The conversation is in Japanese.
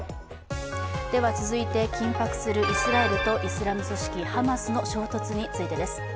続いて、緊迫するイスラエルとイスラム組織ハマスの衝突についてです。